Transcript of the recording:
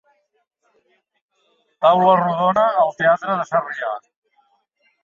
Taula rodona al Teatre de Sarrià.